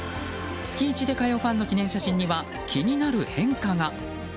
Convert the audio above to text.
月１で通うファンの記念写真には気になる変化が。